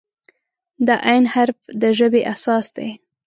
د "ع" حرف د ژبې اساس دی.